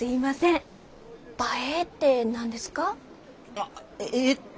あっえっと